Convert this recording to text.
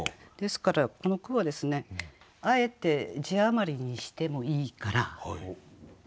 ですからこの句はですねあえて字余りにしてもいいから。